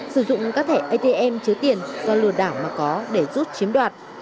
sử dụng các thẻ atm chứa tiền do lừa đảo mà có để giúp chiếm đoạt